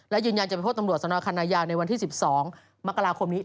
และยืนยันจะไปพบตำรวจสนคันนายาวในวันที่๑๒มกราคมนี้